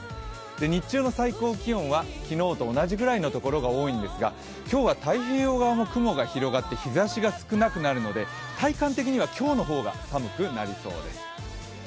日中の最高気温は昨日と同じくらいのところが多いんですが今日は太平洋側も雲が広がって日ざしが少なくなるので、体感的には今日の方が寒くなりそうです。